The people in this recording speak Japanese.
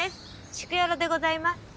シクヨロでございます。